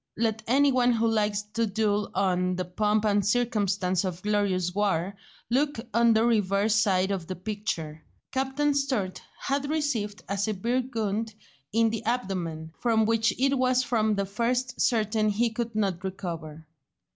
Let any one who likes to dwell on "the pomp and circumstance of glorious war" look on the reverse side of the picture. Captain Sturt had received a severe wound in the abdomen, from which it was from the first certain he could not recover.